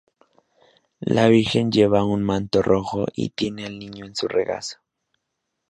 La Virgen lleva un manto rojo y tiene al Niño en su regazo.